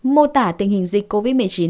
mô tả tình hình dịch covid một mươi chín